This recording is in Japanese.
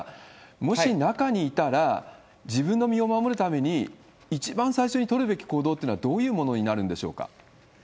もし中にいたら、自分の身を守るために、一番最初に取るべき行動っていうのはどういうものになるんでしょうか。